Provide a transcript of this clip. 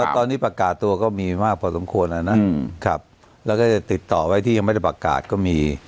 ตอนนี้ประกาศตัวก็มีมากพอสมควรแล้วนะแล้วก็จะติดต่อไว้ที่ยังไม่ได้ประกาศก็มี